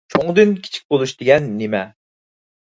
«چوڭدىن كىچىك بولۇش» دېگەن نېمە؟